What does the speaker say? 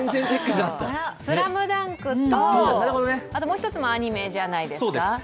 「ＳＬＡＭＤＵＮＫ」ともう一つもアニメじゃないですか。